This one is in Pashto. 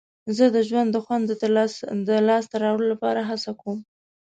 زه د ژوند د خوند د لاسته راوړلو لپاره هڅه کوم.